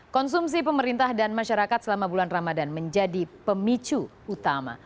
konsumsi pemerintah dan masyarakat selama bulan ramadan menjadi pemicu utama